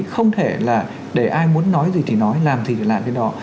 không thể là để ai muốn nói gì thì nói làm gì thì làm trên đó